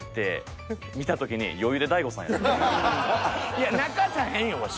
いや泣かさへんよワシ。